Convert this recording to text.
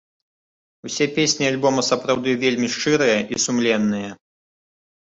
Усе песні альбома сапраўды вельмі шчырыя і сумленныя.